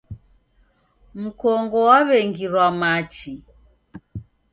Mkongo waw'engirwa machi.